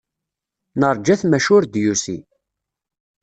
Neṛja-t maca ur d-yusi.